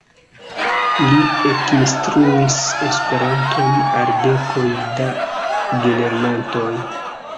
Li ekinstruis Esperanton al dekoj da gelernantoj.